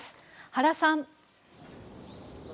原さん。